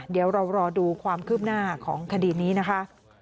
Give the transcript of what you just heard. เดี๋ยวเรารอดูความคืบหน้าของคดีนี้นะคะ